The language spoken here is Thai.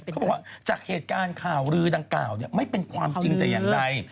เขาบอกว่าจากเหตุการณ์ข่าวลือดังกล่าวไม่เป็นความจริงแต่อย่างใด